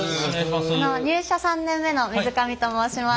入社３年目の水上と申します。